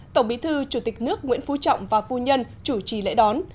tổng bí thư chủ tịch nước nguyễn phú trọng và phu nhân chủ trì lễ đón